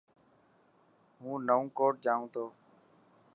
هون نئون ڪوٽ جائون تو.